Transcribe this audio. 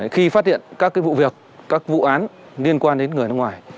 khi phát hiện các vụ việc các vụ án liên quan đến người nước ngoài